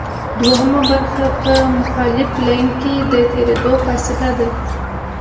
دوهمه برخه په مخالف لین کې د تېرېدو فاصله ده